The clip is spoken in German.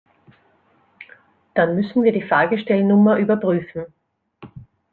Dann müssen wir die Fahrgestellnummer überprüfen.